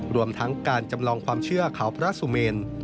รวมทั้งการจำลองความเชื่อเขาพระสุเมน